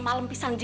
ya ampun ade